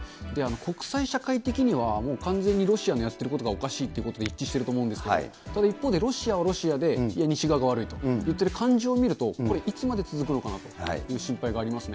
国際社会的には、もう完全にロシアのやってることがおかしいっていうことで一致してると思うんですけど、ロシアはロシアで、西側が悪いと言ってる感じを見ると、これ、いつまで続くのかなという心配がありますね。